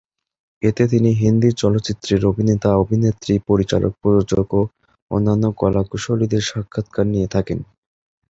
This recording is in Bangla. এতে তিনি হিন্দি চলচ্চিত্রের অভিনেতা, অভিনেত্রী, পরিচালক, প্রযোজক, ও অন্যান্য কলাকুশলীদের সাক্ষাৎকার নিয়ে থাকেন।